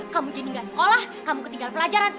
kamu jadi gak sekolah kamu ketinggalan pelajaran